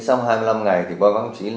sau hai mươi năm ngày qua báo chí